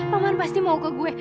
maman pasti mau ke gue